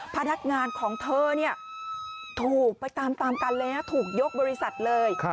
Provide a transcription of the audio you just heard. พนักงานของเธอเนี่ยถูกไปตามกันเลยนะถูกยกบริษัทเลย